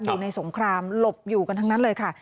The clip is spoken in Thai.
อยู่ในสงครามหลบอยู่กันทั้งนั้นเลยค่ะ